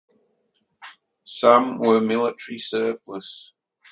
Some were military surplus.